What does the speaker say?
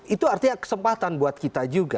itu artinya kesempatan buat kita juga